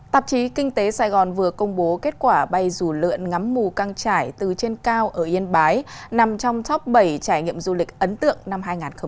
tạp chí kinh tế sài gòn vừa công bố kết quả bay dù lượn ngắm mù căng trải từ trên cao ở yên bái nằm trong top bảy trải nghiệm du lịch ấn tượng năm hai nghìn hai mươi